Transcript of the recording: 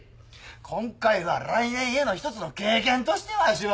今回は来年への一つの経験としてわしは。